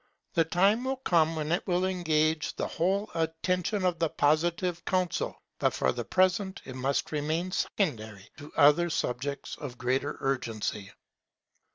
The time will come when it will engross the whole attention of the Positive Council; but for the present it must remain secondary to other subjects of greater urgency.